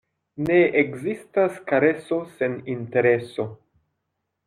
Ne ekzistas kareso sen intereso.